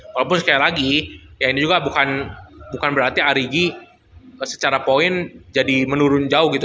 walaupun sekali lagi ya ini juga bukan berarti arigi secara poin jadi menurun jauh gitu